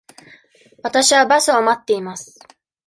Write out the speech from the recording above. わたしはバスを待っています。